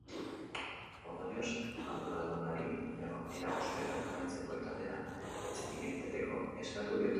Ondorioz, arduradunari eragozpenak amaitzeko eta denak etxetik irteteko eskatu diote.